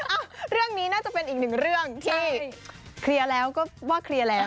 อ่ะเรื่องนี้น่าจะเป็นอีกหนึ่งเรื่องที่เคลียร์แล้วก็ว่าเคลียร์แล้ว